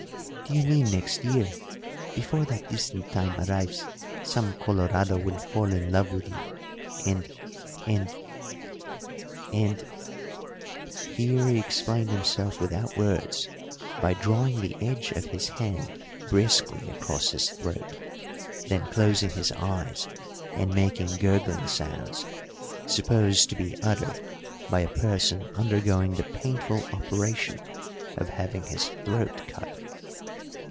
"Do you mean next year? Before that distant time arrives some Colorado will fall in love with you, and and and " Here he explained himself without words by drawing the edge of his hand briskly across his throat, then closing his eyes and making gurgling sounds, supposed to be uttered by a person undergoing the painful operation of having his throat cut.